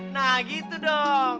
nah gitu dong